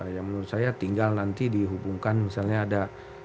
yang menurut saya tinggal nanti dihubungkan misalnya ada